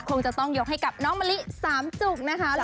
คงจะต้องยกให้กับน้องมะลิสามจุกนะคะ